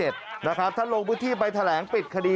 ท่านลงพื้นที่ไปแถลงปิดคดี